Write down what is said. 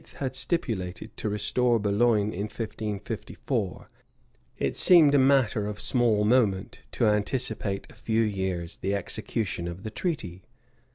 had stipulated to restore Boulogne in 1554, it seemed a matter of small moment to anticipate a few years the execution of the treaty.